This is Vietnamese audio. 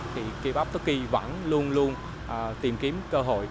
thì kibak toki vẫn luôn luôn tìm kiếm cơ hội